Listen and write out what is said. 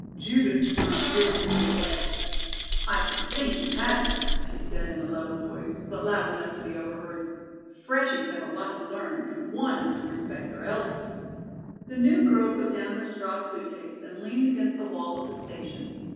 Judith turned irritably away. "I should think you hadn't," she said in a low voice, but loud enough to be overheard. "Freshies have a lot to learn and one is to respect their elders." The new girl put down her straw suit case and leaned against the wall of the station.